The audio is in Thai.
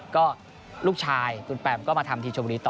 ก็ลูกชายคุณแปมก็มาทำทีชมบุรีต่อ